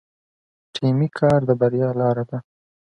ټیمي کار د بریا لاره ده.